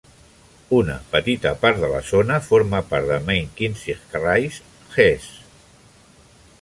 Una petita part de la zona forma part de Main-Kinzig-Kreis, Hesse.